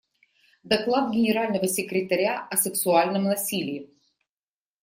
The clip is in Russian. Доклад Генерального секретаря о сексуальном насилии.